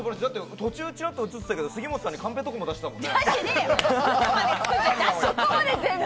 途中チラッと映ってたけど杉本さんにカンペとか出せたもんね。